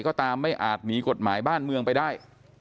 ก็ตามไม่อาจหนีกฎหมายบ้านเมืองไปได้